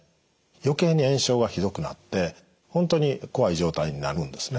余計に炎症がひどくなって本当に怖い状態になるんですね。